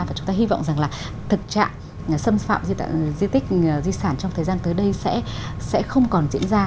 và chúng ta hy vọng rằng là thực trạng xâm phạm di tích di sản trong thời gian tới đây sẽ không còn diễn ra